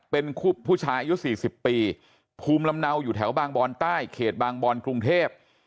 เป็นผู้ชายอายุ๔๐ปีภูมิลำเนาอยู่แถวบางบอนใต้เขตบางบอนกรุงเทพ